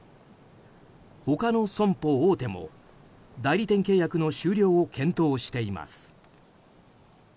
他の損保大手も代理店契約の終了を検討しています。